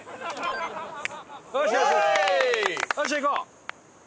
よしいこう！